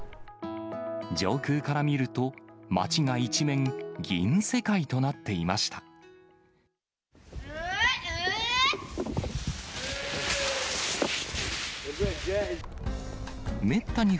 上空から見ると、街が一面、銀世界となっていました。